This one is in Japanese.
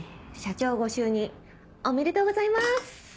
社長ご就任おめでとうございます！